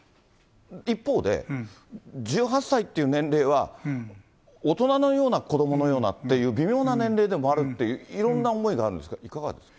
一方で、１８歳という年齢は、大人のような、子どものようなっていう、微妙な年齢でもあるって、いろんな思いがあるんですが、いかがですか？